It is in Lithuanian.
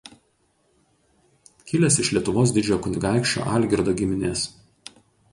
Kilęs iš Lietuvos didžiojo kunigaikščio Algirdo giminės.